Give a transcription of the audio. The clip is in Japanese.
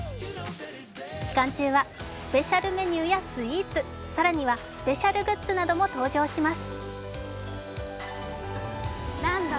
期間中はスペシャルメニューやスイーツ、更にはスペシャルグッズなども登場します。